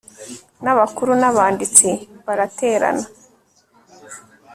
n abakuru n abanditsi baraterana